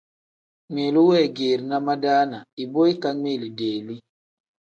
Ngmiilu weegeerina madaana ibo ikangmiili deeli.